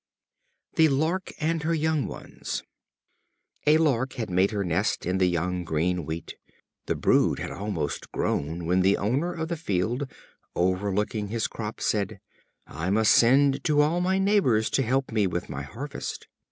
The Lark and her Young Ones. A Lark had made her nest in the young green wheat. The brood had almost grown, when the owner of the field, overlooking his crop, said: "I must send to all my neighbors to help me with my harvest."